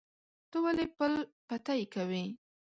ته ولې پل پتی کوې؟